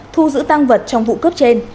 thu giữ tăng vật trong vụ cướp trên